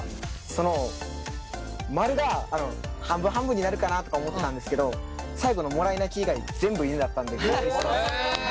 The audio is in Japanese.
その○が半分半分になるかなとか思ったんですけど最後の「もらい泣き」以外全部犬だったんでびっくりしてます。